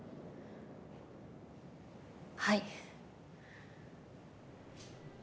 はい。